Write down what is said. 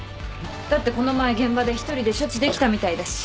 だってこの前現場で一人で処置できたみたいだし。